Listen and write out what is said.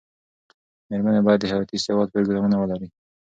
مېرمنې باید د حياتي سواد پروګرامونه ولري.